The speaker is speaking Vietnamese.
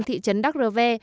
thị trấn đắc rờ ve